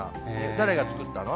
誰が作ったの？